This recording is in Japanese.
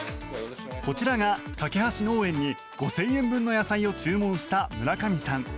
こちらが、かけはし農園に５０００円分の野菜を注文した村上さん。